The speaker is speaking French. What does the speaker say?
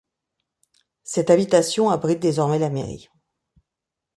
Cette habitation abrite désormais la mairie.